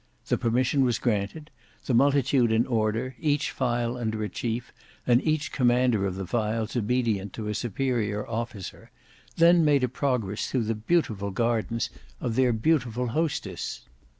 The permission was granted: the multitude in order, each file under a chief and each commander of the files obedient to a superior officer, then made a progress through the beautiful gardens of their beautiful hostess.